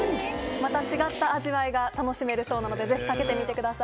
また違った味わいが楽しめるそうなのでぜひかけてみてください。